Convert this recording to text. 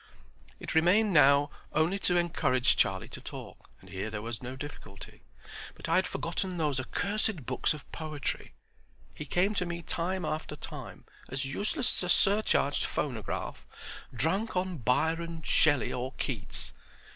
It remained now only to encourage Charlie to talk, and here there was no difficulty. But I had forgotten those accursed books of poetry. He came to me time after time, as useless as a surcharged phonograph—drunk on Byron, Shelley, or Keats.